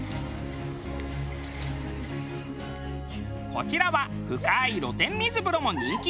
こちらは深い露天水風呂も人気。